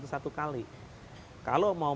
satu kali kalau mau